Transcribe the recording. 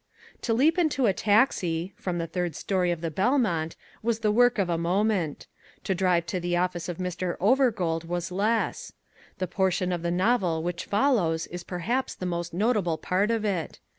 To leap into a taxi (from the third story of the Belmont) was the work of a moment. To drive to the office of Mr. Overgold was less. The portion of the novel which follows is perhaps the most notable part of it.